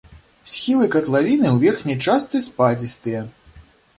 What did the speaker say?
Схілы катлавіны ў верхняй частцы спадзістыя.